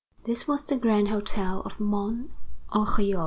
This was the Grand Hotel of Mont Oriol.